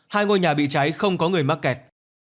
hai ngôi nhà bị cháy không có người mắc kẹt